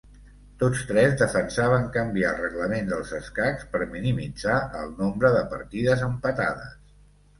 Tots tres defensaven canviar el reglament dels escacs per minimitzar el nombre de partides empatades.